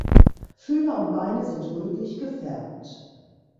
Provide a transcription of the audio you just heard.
Fühler und Beine sind rötlich gefärbt.